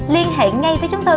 liên hệ ngay với chúng tôi